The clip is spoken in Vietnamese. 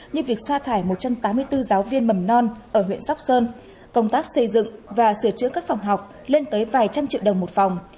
như việc xa thải một trăm tám mươi bốn giáo viên mầm non ở huyện sóc sơn công tác xây dựng và sửa chữa các phòng học lên tới vài trăm triệu đồng một phòng